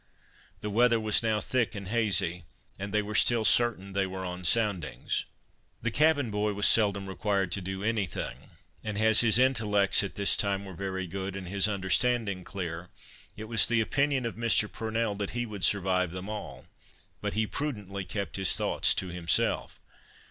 The weather was now thick and hazy, and they were still certain that they were on soundings. The cabin boy was seldom required to do any thing, and as his intellects, at this time, were very good, and his understanding clear, it was the opinion of Mr. Purnell that he would survive them all, but he prudently kept his thoughts to himself.